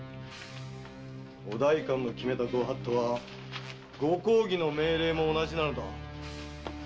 お代官の決めた御法度はご公儀の命令も同じなのだ。